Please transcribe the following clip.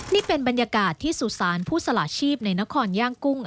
นี่เป็นบรรยากาศที่สุสานผู้สละชีพในนครย่างกุ้ง